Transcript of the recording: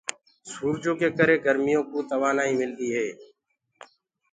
سوُرجو ڪي ڪري گر سي ڪوُ توآبآئي ميدي هي۔